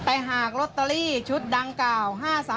แต่หากลอตเตอรี่ชุดดังกล่าว๕๓